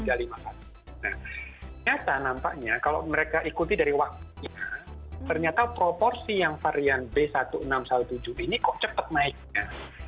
nah ternyata nampaknya kalau mereka ikuti dari waktunya ternyata proporsi yang varian b seribu enam ratus tujuh belas ini kok cepet naiknya